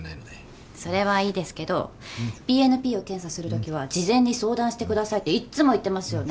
それはいいですけどＢＮＰを検査するときは事前に相談してくださいっていっつも言ってますよね？